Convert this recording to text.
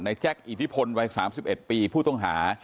แจ๊คอิทธิพลวัย๓๑ปีผู้ต้องหา